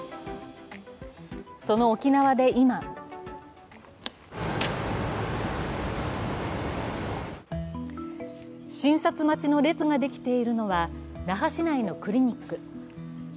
その沖縄で今診察待ちの列ができているのは那覇市内のクリニック。